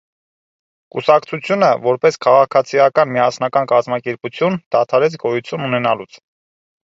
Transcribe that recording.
Կուսակցությունը, որպես քաղաքացիական միասնական կազմակերպություն, դադարեց գոյություն ունենալուց։